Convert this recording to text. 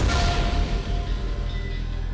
ว้าย